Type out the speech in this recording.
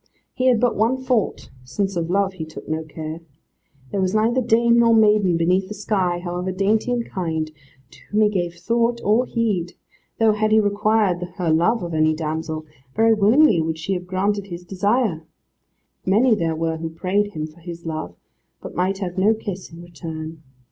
He had but one fault, since of love he took no care. There was neither dame nor maiden beneath the sky, however dainty and kind, to whom he gave thought or heed, though had he required her love of any damsel, very willingly would she have granted his desire. Many there were who prayed him for his love, but might have no kiss in return.